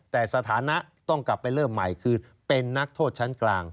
แต่สถานะต้องกลับไปเริ่มใหม่คือเป็นนักโทษชั้นกลาง